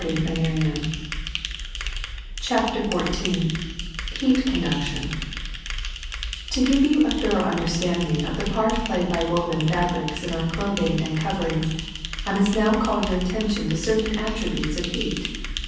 — Translator, << T CHAPTER XIV HEAT CONDUCTION give you a thorough understanding of the part played by woven fabrics in our clothing and coverings I must now call your attention to certain attributes of heat.